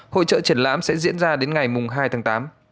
hội trợ triển lãm sẽ diễn ra đến ngày hai tháng tám